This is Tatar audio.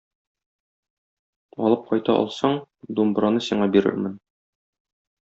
Алып кайта алсаң, думбраны сиңа бирермен.